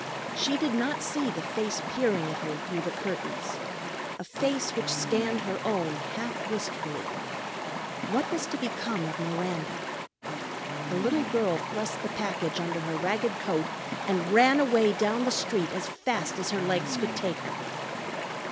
She did not see the face peering at her through the curtains, a face which scanned her own half wistfully. What was to become of Miranda? The little girl thrust the package under her ragged coat and ran away down the street as fast as her legs could take her.